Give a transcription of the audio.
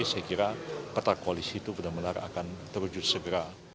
saya kira peta koalisi itu benar benar akan terwujud segera